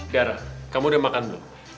darah kamu udah makan dulu